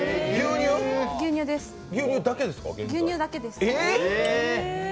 牛乳だけですか？